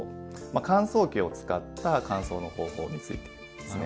乾燥機を使った乾燥の方法についてですね。